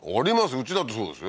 ようちだってそうですよ